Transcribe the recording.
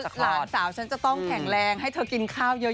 หลานสาวฉันจะต้องแข็งแรงให้เธอกินข้าวเยอะ